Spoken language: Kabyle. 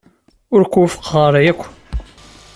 Ur k-wufqeɣ ara yakk.